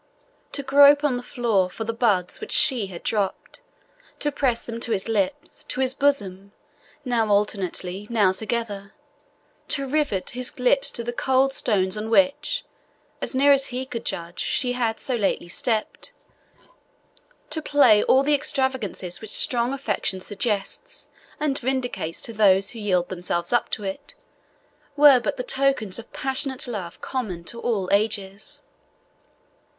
To grope on the floor for the buds which she had dropped to press them to his lips, to his bosom, now alternately, now together to rivet his lips to the cold stones on which, as near as he could judge, she had so lately stepped to play all the extravagances which strong affection suggests and vindicates to those who yield themselves up to it, were but the tokens of passionate love common to all ages.